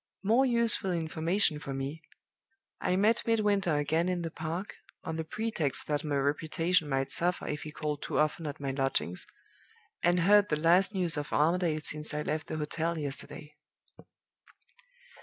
More useful information for me. I met Midwinter again in the Park (on the pretext that my reputation might suffer if he called too often at my lodgings), and heard the last news of Armadale since I left the hotel yesterday.